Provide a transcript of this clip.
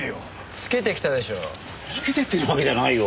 つけてってるわけじゃないよ。